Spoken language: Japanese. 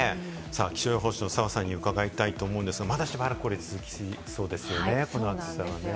気象予報士の澤さんに伺いたいと思うんですが、まだしばらく続きそうですよね、この暑さ。